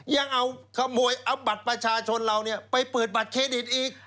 ยังเอาขโมยเอาบัตรประชาชนเราไปเปิดบัตรเครดิตอีก